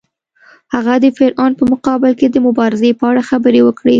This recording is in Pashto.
هغه د فرعون په مقابل کې د مبارزې په اړه خبرې وکړې.